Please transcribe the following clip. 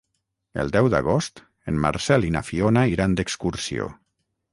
El deu d'agost en Marcel i na Fiona iran d'excursió.